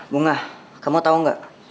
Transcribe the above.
bunga kamu tau gak